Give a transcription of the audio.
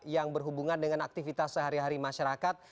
yang berhubungan dengan aktivitas sehari hari masyarakat